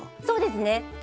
そうですね。